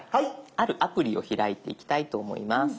あるアプリを開いていきたいと思います。